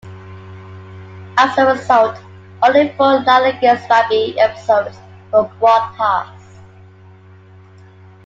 As a result, only four "Lanigan's Rabbi" episodes were broadcast.